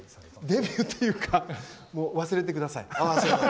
デビューっていうか忘れてください。